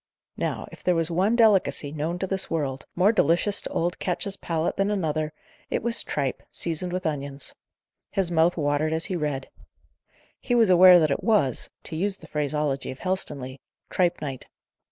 Now, if there was one delicacy, known to this world, more delicious to old Ketch's palate than another, it was tripe, seasoned with onions. His mouth watered as he read. He was aware that it was to use the phraseology of Helstonleigh "tripe night."